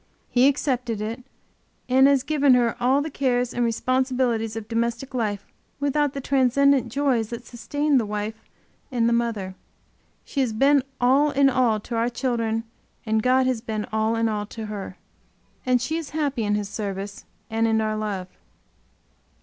He accepted it, and as given her all the cares and responsibilities of domestic life without the transcendent joys that sustain the wife and the mother. She has been all in all to our children and God has been all in all to her. And she is happy in His service and in our love.